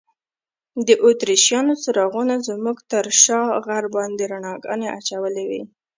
د اتریشیانو څراغونو زموږ تر شا غر باندې رڼاګانې اچولي وې.